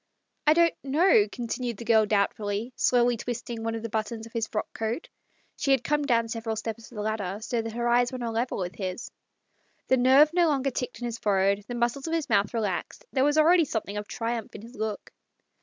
" I don't know," continued the girl doubt fully, slowly twisting one of the buttons of his frock coat. She had come down several steps of the ladder, so that her eyes were on a level with his. .. The nerve no longer ticked in his forehead, the muscles of his mouth relaxed ; there was already something of triumph in his look.